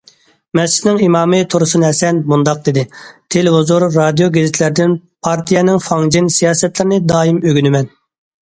مەسچىتنىڭ ئىمامى تۇرسۇن ھەسەن مۇنداق دېدى: تېلېۋىزور، رادىيو، گېزىتلەردىن پارتىيەنىڭ فاڭجېن، سىياسەتلىرىنى دائىم ئۆگىنىمەن.